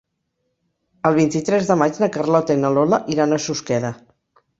El vint-i-tres de maig na Carlota i na Lola iran a Susqueda.